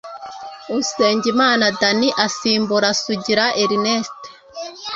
Usengimana Danny asimbura Sugira Ernest